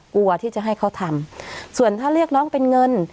กลัวที่จะให้เขาทำส่วนถ้าเรียกน้องเป็นเงิน